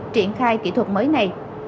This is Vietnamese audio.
triển khai kỹ thuật mới này